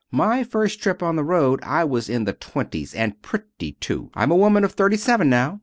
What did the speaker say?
My first trip on the road I was in the twenties and pretty, too. I'm a woman of thirty seven now.